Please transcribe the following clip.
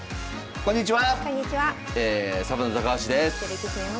こんにちは。